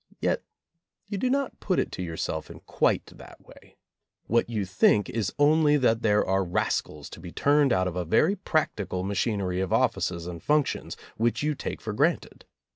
Yet you do not put it to yourself in quite that way. What you think is only that there are rascals to be turned out of a very practical ma chinery of offices and functions which you take for granted.